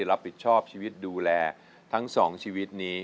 รับผิดชอบชีวิตดูแลทั้งสองชีวิตนี้